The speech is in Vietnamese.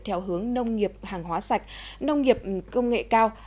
theo hướng nông nghiệp hàng hóa sạch nông nghiệp công nghệ cao